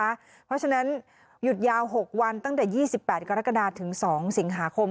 เพราะฉะนั้นหยุดยาว๖วันตั้งแต่๒๘กรกฎาถึง๒สิงหาคม